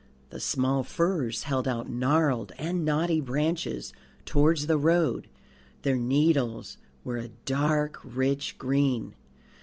The small firs held out gnarled and knotty branches towards the road; their needles were a dark rich green.